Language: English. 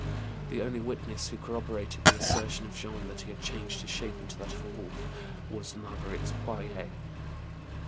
The only witness who corroborated the assertion of Jean that he changed his shape into that of a wolf was Marguerite Poirier.